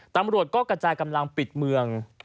ตำรวจก็กระจายกำลังปิดเมือง